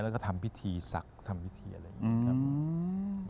แล้วก็ทำพิธีศักดิ์ทำพิธีอะไรอย่างนี้ครับ